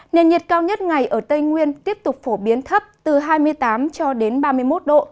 nền nhiệt cao nhất ngày ở tây nguyên tiếp tục phổ biến thấp từ hai mươi tám cho đến ba mươi một độ